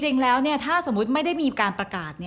จริงแล้วถ้าสมมุติไม่ได้มีการประกาศ